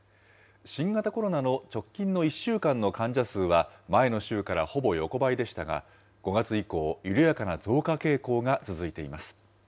新型コロナの直近の１週間の患者数は、前の週からほぼ横ばいでしたが、５月以降、緩やかな増加傾向が続いています。